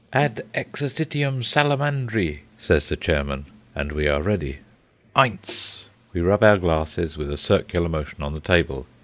"Ad exercitium Salamandri," says the chairman, and we are ready. "Eins!" We rub our glasses with a circular motion on the table.